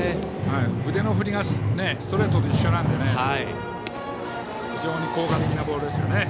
腕の振りがストレートと一緒なので非常に効果的なボールですね。